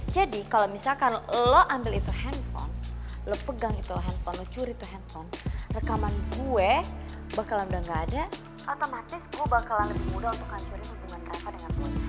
jadi kalau misalkan lo ambil itu hp lo pegang itu hp lo curi itu hp rekaman gue bakal enggak ada otomatis gue bakal lebih mudah untuk hancurin hubungan reva dengan boy